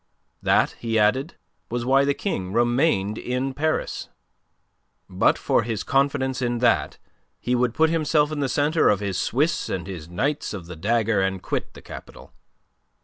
That, he added, was why the King remained in Paris. But for his confidence in that he would put himself in the centre of his Swiss and his knights of the dagger, and quit the capital.